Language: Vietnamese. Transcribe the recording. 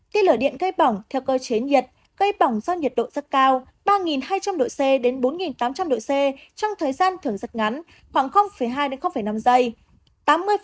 tiên lửa điện gây bỏng theo cơ chế nhiệt gây bỏng do nhiệt độ rất cao ba hai trăm linh độ c đến bốn tám trăm linh độ c trong thời gian thường rất ngắn khoảng hai năm giây